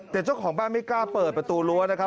แต่เจ้าของบ้านไม่กล้าเปิดประตูรั้วนะครับ